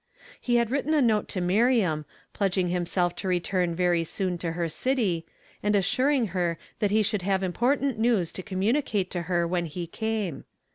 He had written a note to Miriam, pledging himself to return very soon to her city, and assuring her that ho should have important news to communicate to her when he came.